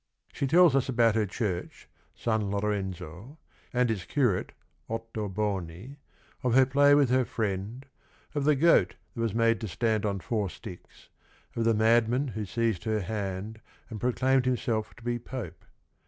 She tells us about her church, San Lorenzo, and its curate Ottoboni, of her play with her friend, of the goat that was made to stand on four sticks, of the madman who seized her hand and proclaimed himself to be pope.